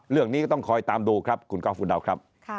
เรื่องนี้ก็ต้องคอยตามดูครับคุณก้อฟคุณดาวครับ